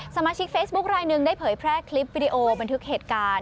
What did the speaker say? สมาชิกเฟซบุ๊คลายหนึ่งได้เผยแพร่คลิปวิดีโอบันทึกเหตุการณ์